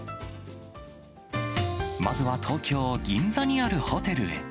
まずは、東京・銀座にあるホテルへ。